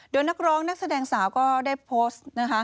โดยนักร้องนักแสดงสาวก็ได้โพสต์นะคะ